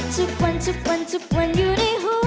ทุกวันทุกวันทุกวันอยู่ในหู